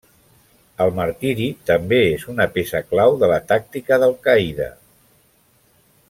El martiri també és una peça clau de la tàctica d'Al-Qaida.